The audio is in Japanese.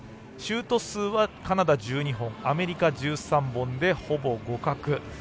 シュート数はカナダ１２本、アメリカ１３本でほぼ互角。